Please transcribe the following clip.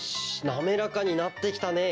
なめらかになってきたね。